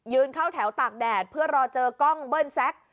เข้าแถวตากแดดเพื่อรอเจอกล้องเบิ้ลแซค